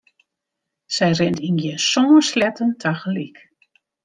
Sy rint yn gjin sân sleatten tagelyk.